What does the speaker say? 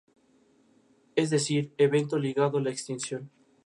La isla cuenta con un aeródromo.